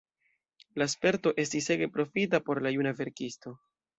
La sperto estis ege profita por la juna verkisto.